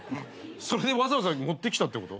それでわざわざ持ってきたってこと？